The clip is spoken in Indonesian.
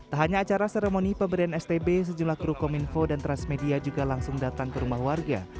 tak hanya acara seremoni pemberian stb sejumlah kru kominfo dan transmedia juga langsung datang ke rumah warga